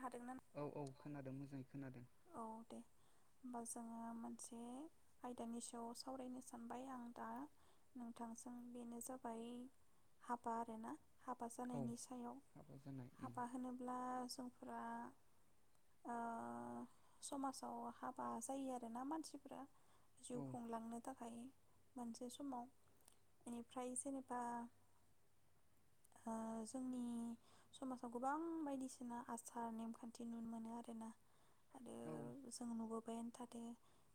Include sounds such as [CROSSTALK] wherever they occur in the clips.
हादोंना औ औ खोनादों मोजाङै खोनादों। औ दे होमबा जोङो मोनसे आयदानि सायाव सावरायनो सानबाय आं दा नोंथांजों बेनो जाबाय हाबा आरोना। हाबा औ जानायनि सायाव हाबा जानाय उम हाबा होनोब्ला जों ओ ओ समाजाव हाबा जायो आरोना मानसिफ्रा। जिउ औ खुंलांनो थाखाय मोनसे समाव बेनिफ्राय जेनेबा ओ जोंनि समाजाव गोबां बायदिसिना आ सार नेमखान्थि नुनो मोनो आरोना। आरो औ जों नुबोबाय थादो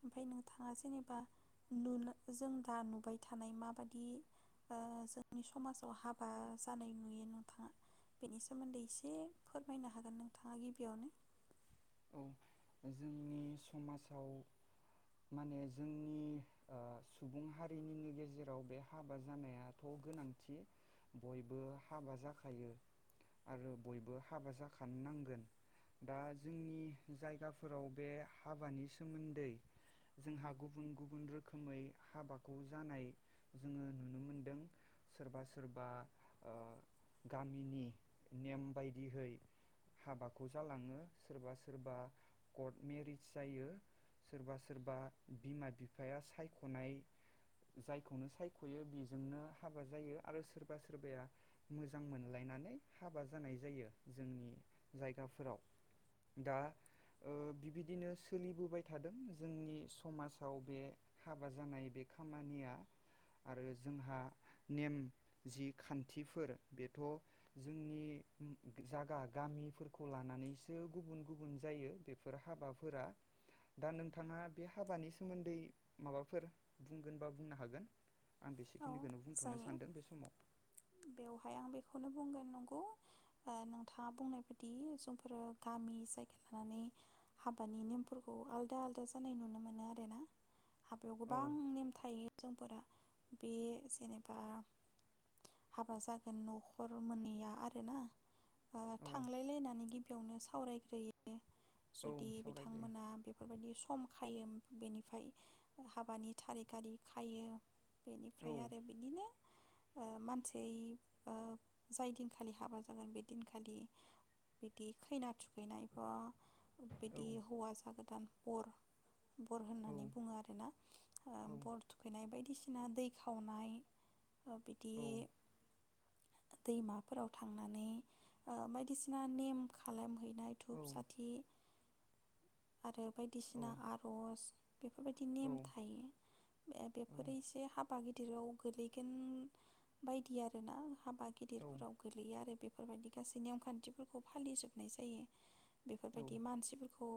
ओमफ्राय नोंथाङा जेनेबा नुनो जों दा नुबाय थानाय माबादि ओ जोंनि समाजाव हाबा जानाय नुयो नोंथाङा बेनि सोमोन्दै एसे फोरमायना हागोन नोंथाङा गिबियावनो। औ जोंनि समाजाव माने जोंनि ओ सुबुं हारिनिनि गेजेराव बे हाबा जानायाथ गोनांथि बयबो हाबा जाखायो आरो बयबो हाबा जाखानो नांगोन दा जोंनि जायगाफोराव बे हाबानि सोमोन्दै जोंहा गुबुन गुबुन रोखोमै हाबाखौ जानाय जोङो नुनो मोन्दों सोरबा सोरबा ओ गामिनि नेम बायदिहै हाबाखौ जालाङो सोरबा सोरबा कर्ट मेरिस जायो सोरबा सोरबा बिमा बिफाया सायखनाय जायखौनो सायखयो बेजोंनो हाबा जायो आरो सोरबा सोरबाया मोजां मोनलायनानै हाबा जानाय जायो जोंनि जायगाफोराव। दा ओ बिबादिनो सोलिबोबाय थादों जोंनि समाजाव बे हाबा जानाय बे खामानिया आरो जोंहा नेम जि खान्थिफोर बेथ जोंनि जागा गामिफोरखौ लानानै सो गुबुन गुबुन जायो बेफोर हाबाफोरा दा नोंथाङा बे हाबानि सोमोन्दै माबाफोर बुंगोन बा बुंनो हागोन। आं औ बेसेखिनिखौनो बुंथनो जायो सान्दों बे समाव। बेवहाय आं बेखौनो बुंगोन नंगौ ओ नोंथाङा बुंनाय बायदि जोंफोरो गामि जायगा लानानै हाबानि नेमफोरखौ आलदा आलादा जानाय नुनो मोनो आरो ना। हाबायाव औ गोबां नेम थायो जोंफोरा बे जेनेबा हाबा जागोन नखर मोन्नैया आरोना ओ औ थांलायलायनानै गि बेयावनो सावरायग्रोयो। औ जुदि सावरायग्रोयो बिथांमोना बेफोरबायदि सम खायोम बेनिफ्राय हाबानि थारिक हारि खायो बेनिफ्राय आरो बिदिनो ओ मानसै ओ जाय दिनखालि हाबा जागोन बे दिनखालि बिदि खैना थुखैनायखौ औ बिदि हौवा जागोदान [UNINTELLIGIBLE] बर औ होननानै बुङो आरो ना ओ बर थुखैनाय बायदिसि ना दै खावनाय ओ बिदि औ दैमाफोराव थांनानै ओ बायदिसिना नेम खालाम हैनाय धुप साथि आरो औ बायदिसिना आरज बेफोरबायदि औ नेम औ थायो औ बे-बेफोर बे हाबा गिदिराव गोलैगोन बायदि आरोना हाबा औ गिदिरफोराव गोलैयो आरो बे बेफोरबायदि गासै नेम खान्थिफोरखौ फालिजोबनाय जायो। औ बेफोरबायदि मानसिफोरखौ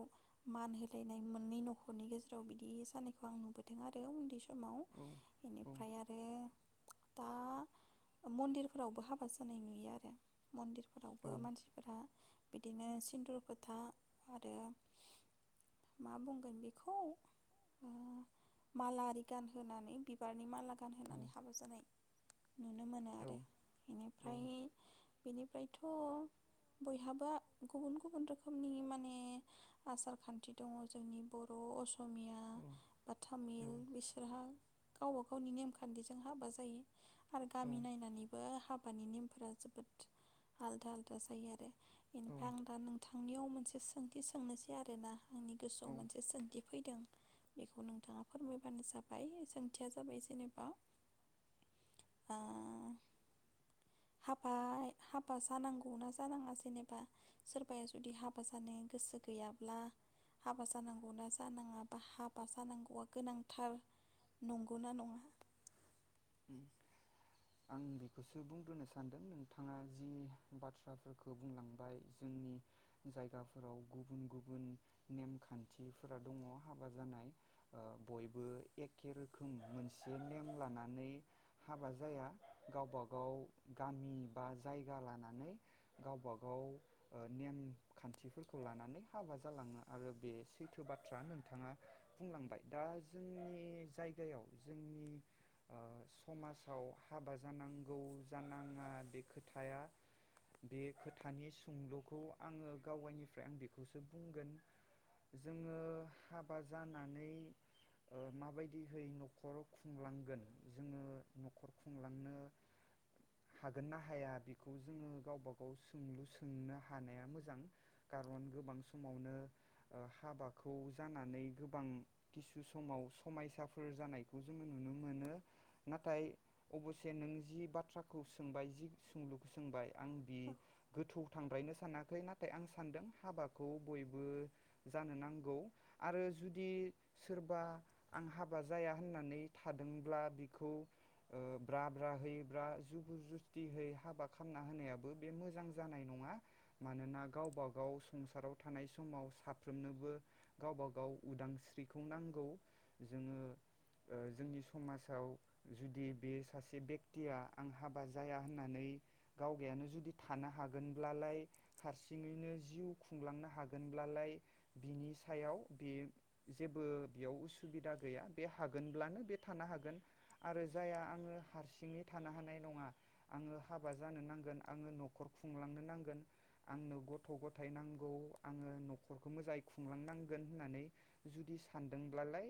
मान होलायनाय मोननै नखरनि गेजेराव बिदि जानायखौ आं नुबोदों आरो उन्दै समाव औ औ इनिफ्राय आरो दा मन्दिरफोरावबो हाबा जानाय नुयो आरो मन्दिर औ फोरावबो मानसिफोरा बिदिनो सिन्दुर फोथा आरो मा बुंगोन बेखौ ओ मालारि गान होनानै बिबारनि माला औ गानहोनानै हाबा जानाय नुनो मोनो आरो बेनिफ्राय बेनि मोफ्रायथ बयहाबा गुबुन गुबुन रोखोमनि माने आसार खान्थि दङ जोंनि बर' असमिया बा तामिल बिस गावबा गावनि नेमखान्थिजों हाबा जायो। आरो गामि नायनानैबो हाब बानि नेमफोरा जोबोद आलदा आलदा जायो आरो औ इनिफाय आं दा नोंथांनियाव मोनसे सोंथि सोंनोसै आरो ना। आंनि औ गोसोआव मोनसे सोंथि फैदों। बेखौ नोंथाङा फोरमायबानो जाब हाय सोंथिया जाबाय जेनेबा आ हाबा हाबा जानांगौना जानाङा जेनेबा सोरबाया जुदि हाबा जानो गोसो गैयाब्ला हाबा जानांगौना जानाङा बा हाबा जानांगौआ गोनांथार नंगोना नङा। ओम आं बेखौसो बुंग्रोनो सानदों नोंथाङा जि बाथ्राफोरखो बुंलांबाय जोंनि जायगाफोराव गुबुन गुबुन नेमखान्थिफोरा दङ हाबा जानाय ओ बयबो एखे रोखोम मोनसे नेम लानानै हाबा जाया गावबा गाव गामि बा जायगा लानानै गावबा गाव ओ नेम खान्थिफोरखौ लानानै हाबा जालाङो आरो बे सैथो बाथ्रा नोंथाङा बुंलांबाय दा जोंनि जायगायाव जोंनि ओ समासाव हाबा जानांगौ जानाङा बे खोथाया बे खोथानि सुंलुखौ आङो गावायनिफ्राय आं बेखौसो बुंगोन जोङो हाबा जानानै ओ माबायदिहै नखराव खुंलांगोन जोङो नखर खुंलांनो हागोन ना हाया बेखौ जोङो गावबा गाव सोंलु सोंनो हानाया मोजां कारन गोबां समावनो ओ हाबाखौ जानानै गोबां किसु समाव समायसाफोर जानायखौ जोङो नुनो मोनो। नाथाय अबसे नों जि बाथ्राखौ सोंबाय जि सोंलुखो सोंबाय। आं बि गोथौ थांद्रायनो सानाखै नाथाय आं सानदों हाबाखौ बयबो जानो नांगौ आरो जुदि सोरबा आं हाबा जाया होननानै थादोंब्ला बिखौ ओ ब्रा ब्रा है ब्रा जुबुर जुस्तियै हाबा खामना होनायाबो बे मोजां जानाय नङा मानोना गावबा गाव संसाराव थानाय समाव साफ्रोमनोबो गावबा गाव उदांस्रिखौ नांगौ जोङो ओ जोंनि समाज औ जुदि बे सासे बेक्टिया आं हाबा जाया होननानै गावगायानो जुदि थानो हागोनब्लालाय हारसिङैनो जिउ खुंलांनो हागोनब्लालाय बिनि सायाव बे जेबो बेयाव उसुबिदा गैया बे हागोनब्लानो बे थानो हागोन। आरो जाया आङो हारसिङै थानो हानाय नङा आङो हाबा जानो नांगोन आङो न'खर खुंलांनो नांगोन आंनो गथ' गथाय नांगौ आङो न'खरखौ मोजाङै खुंलांनो नांगोन होननानै जुदि सानदोंब्लालाय